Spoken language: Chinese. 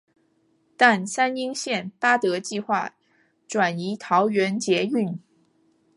但三莺线八德计画移转桃园捷运。